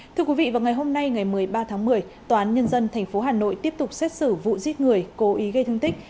thưa quý vị vào ngày hôm nay ngày một mươi ba tháng một mươi tòa án nhân dân tp hà nội tiếp tục xét xử vụ giết người cố ý gây thương tích